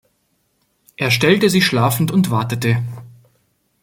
Er stellte sich schlafend und wartete.